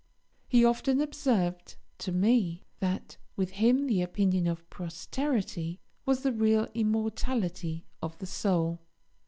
He often observed to me that with him the opinion of posterity was the real immortality of the soul.